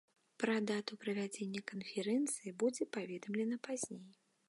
Пра дату правядзення канферэнцыі будзе паведамлена пазней.